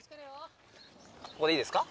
ここでいいですか？